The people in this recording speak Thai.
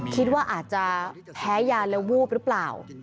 คิดว่าอาจจะแพ้ยาแล้ววูบหรือเปล่า